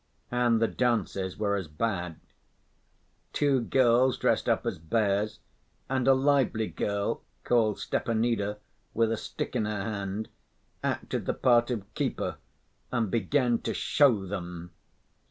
And the dances were as bad. Two girls dressed up as bears, and a lively girl, called Stepanida, with a stick in her hand, acted the part of keeper, and began to "show them."